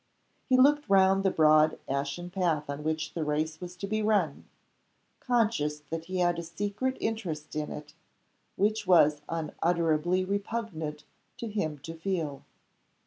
He looked round the broad ashen path on which the race was to be run, conscious that he had a secret interest in it which it was unutterably repugnant to him to feel.